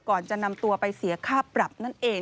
ก่อนจะนำตัวไปเสียค่าปรับนั่นเอง